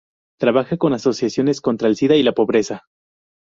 Trabaja con asociaciones contra el sida y la pobreza.